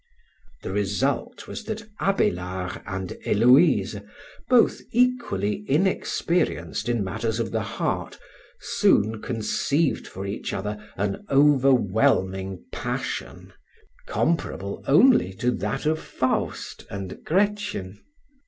The result was that Abélard and Héloïse, both equally inexperienced in matters of the heart, soon conceived for each other an overwhelming passion, comparable only to that of Faust and Gretchen.